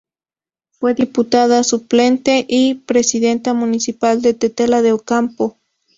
Fue diputada suplente y presidenta municipal de Tetela de Ocampo.